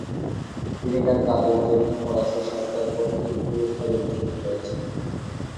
তিনি তার কাজের জন্যে ফরাসি সরকার কর্তৃক পুরস্কারে ভূষিত হয়েছেন।